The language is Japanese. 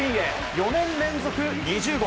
４年連続２０号。